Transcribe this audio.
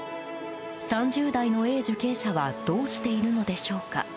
３０代のＡ受刑者はどうしているのでしょうか。